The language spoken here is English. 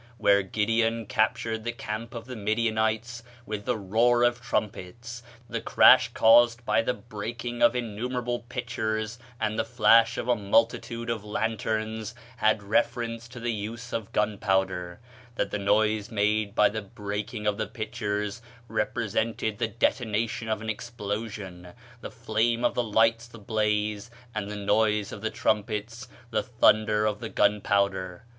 where Gideon captured the camp of the Midianites with the roar of trumpets, the crash caused by the breaking of innumerable pitchers, and the flash of a multitude of lanterns, had reference to the use of gunpowder; that the noise made by the breaking of the pitchers represented the detonation of an explosion, the flame of the lights the blaze, and the noise of the trumpets the thunder of the gunpowder.